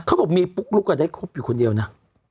เขาบอกมีปุ๊กลุ๊กได้คบอยู่คนเดียวนะ